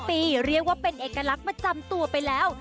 ปีเรียกว่าเป็นเอกลักษณ์ประจำตัวไปแล้ว